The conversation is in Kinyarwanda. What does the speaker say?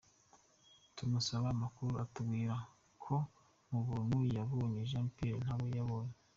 Tumusaba amakuru atubwira ko mu bantu yabonye Jean Pierre ntawe yabonye.